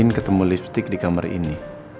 mungkin gue bisa dapat petunjuk lagi disini